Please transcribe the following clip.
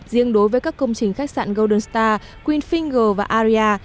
riêng đối với các công trình khách sạn golden star queenfinger và aria